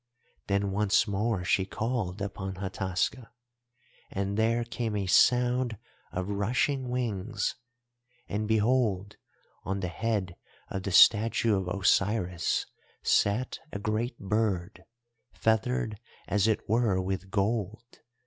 "Then once more she called upon Hataska and there came a sound of rushing wings. And behold, on the head of the statue of Osiris sat a great bird, feathered as it were with gold.